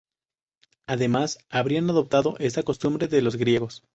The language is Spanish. Además, habrían adoptado esta costumbre de los griegos.